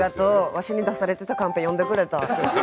わしに出されてたカンペ読んでくれた。